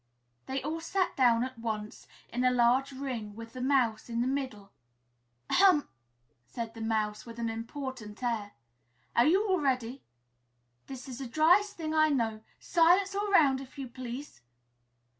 They all sat down at once, in a large ring, with the Mouse in the middle. "Ahem!" said the Mouse with an important air. "Are you all ready? This is the driest thing I know. Silence all 'round, if you please!